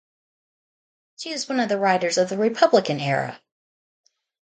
She is one of the writers of the Republican Era.